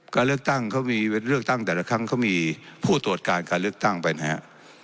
การเลือกตั้งเขามีเลือกตั้งแต่ละครั้งเขามีผู้ตรวจการการเลือกตั้งไปนะครับ